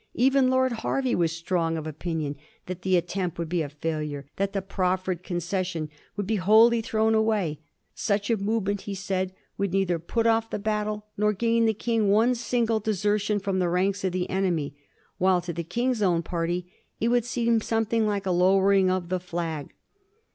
Even Lord Hervey was strongly of opinion that the attempt would be a failure, that the proffered concession would be wholly thrown away; such a movement, he said, would neither put off the battle nor gain the King one single desertion from the ranks of the enemy, while to the King's own party it would seem something like a lowering of the flag.